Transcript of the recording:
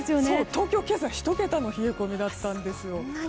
東京は今朝１桁の冷え込みだったんです。